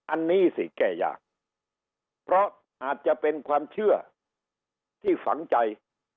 อันนี้สิแก้ยากเพราะอาจจะเป็นความเชื่อที่ฝังใจ